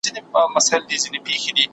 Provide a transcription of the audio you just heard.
جهاني په دې وطن کي بزم نسته د غزلو